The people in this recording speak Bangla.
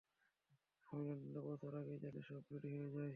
আমি লন্ডনে পৌঁছানোর আগে যাতে সব রেডি হয়ে যায়।